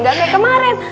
gak kayak kemarin